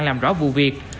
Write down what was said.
làm rõ vụ việc